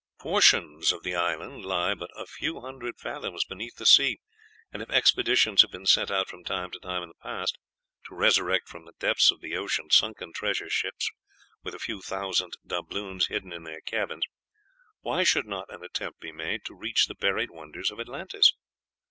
Portions of the island lie but a few hundred fathoms beneath the sea; and if expeditions have been sent out from time to time in the past, to resurrect from the depths of the ocean sunken treasure ships with a few thousand doubloons hidden in their cabins, why should not an attempt be made to reach the buried wonders of Atlantis?